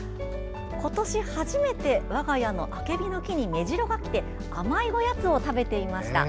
今年初めて我が家のあけびの木にメジロが来て甘いおやつを食べていました。